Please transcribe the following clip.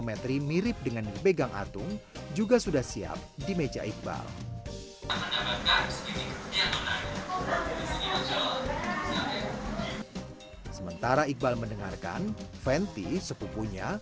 sisi terpanjang atau biasa disebut